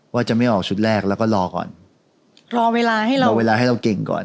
ว่าจะไม่ออกชุดแรกแล้วก็รอก่อนรอเวลาให้เรารอเวลาให้เราเก่งก่อน